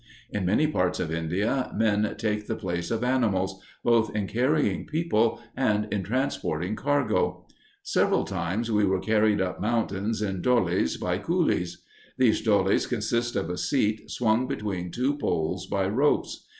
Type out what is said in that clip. In many parts of India, men take the place of animals, both in carrying people and in transporting cargo. Several times we were carried up mountains in dholies by coolies. These dholies consist of a seat swung between two poles by ropes.